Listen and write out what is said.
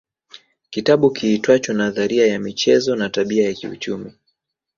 Kitabu kiitwacho nadharia ya michezo na tabia ya kiuchumi